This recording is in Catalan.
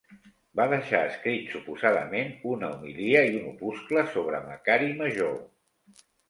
Va deixar escrit suposadament una homilia i un opuscle sobre Macari Major.